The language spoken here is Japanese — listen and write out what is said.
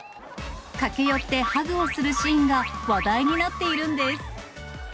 駆け寄ってハグをするシーンが話題になっているんです。